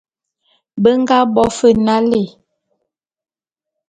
Be nga bo fe nalé.